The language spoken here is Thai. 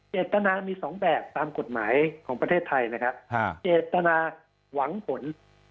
เจตนามีสองแบบตามกฎหมายของประเทศไทยนะครับเจตนาหวังผล